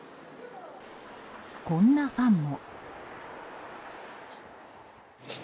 こんなファンも。